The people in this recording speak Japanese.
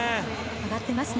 上がってますね。